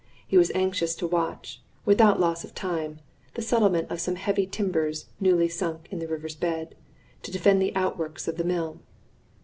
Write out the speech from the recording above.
He was anxious to watch, without loss of time, the settlement of some heavy timbers newly sunk in the river's bed, to defend the outworks of the mill.